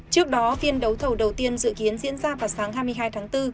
trước đó phiên đấu thầu đầu tiên dự kiến diễn ra vào sáng hai mươi hai tháng bốn